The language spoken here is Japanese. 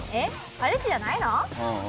彼氏じゃないの？」。